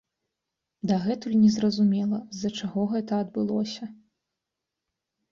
Дагэтуль незразумела, з-за чаго гэта адбылося.